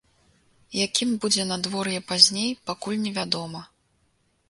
Якім будзе надвор'е пазней, пакуль невядома.